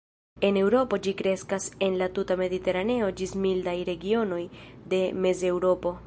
En Eŭropo ĝi kreskas en la tuta mediteraneo ĝis mildaj regionoj de Mezeŭropo.